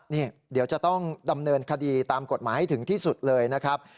นี่เดี๋ยวจะต้องดำเนินคดีตามกฎหมายให้ถึงที่สุดเลยนะครับ